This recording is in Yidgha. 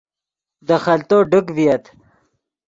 دے خلتو ڈک ڤییت